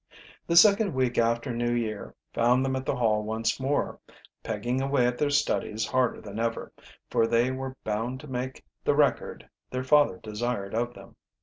The second week after New Year found them at the Hall once more, pegging away at their studies harder than ever, for they were bound to make the record their father desired of them.